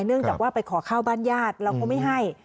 เนื่องจากว่าไปขอข้าวบ้านญาติแล้วเขาไม่ให้